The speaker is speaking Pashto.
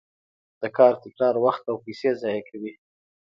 د کار تکرار وخت او پیسې ضایع کوي.